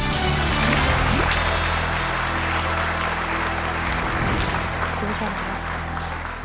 คุณผู้ชมครับ